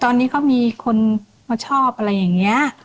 ตอนนี้เขามีคนมาชอบอะไรอย่างนี้